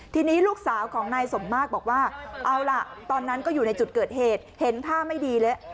ทีนี้ลูกสาวของนายสมมากบอกว่าเอาล่ะตอนนั้นก็อยู่ในจุดเกิดเหตุเห็นท่าไม่ดีเลย